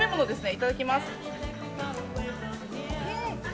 いただきます。